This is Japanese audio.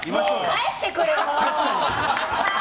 帰ってくれよ、もう！